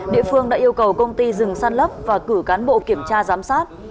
địa phương đã yêu cầu công ty dừng săn lấp và cử cán bộ kiểm tra giám sát